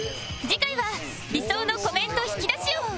次回は理想のコメント引き出し王